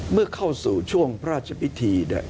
เมื่อเข้าสู่ช่วงพระราชพิธี